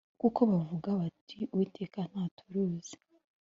kuko bavuga bati uwiteka ntaturuzi